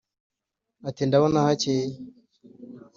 ati: ndabona hakeye